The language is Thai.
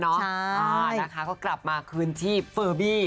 นะคะก็กลับมาคืนชีพเฟอร์บี้